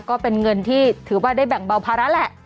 ก็เป็นเงินที่ถือว่าได้แบ่งเบาภาระแหละ